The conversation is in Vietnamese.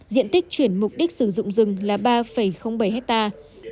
diện tích chuyển mục đích sử dụng rừng là ba bảy hectare